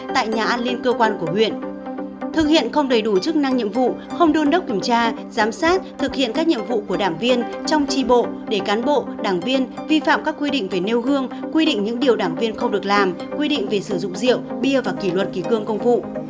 thực hiện không đầy đủ chức năng nhiệm vụ không đôn đốc kiểm tra giám sát thực hiện các nhiệm vụ của đảng viên trong tri bộ để cán bộ đảng viên vi phạm các quy định về nêu gương quy định những điều đảng viên không được làm quy định về sử dụng rượu bia và kỷ luật kỷ cương công vụ